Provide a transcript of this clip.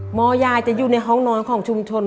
หมอยายจะอยู่ในห้องนอนของชุมชน